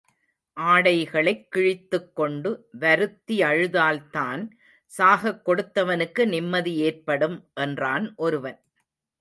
ஆடைகளைக் கிழித்துக் கொண்டு, வருத்தியழுதால்தான் சாகக் கொடுத்தவனுக்கு நிம்மதி ஏற்படும். என்றான் ஒருவன்.